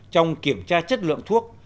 trong việc kiểm tra chất lượng thuốc